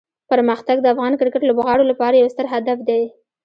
پرمختګ د افغان کرکټ لوبغاړو لپاره یو ستر هدف دی.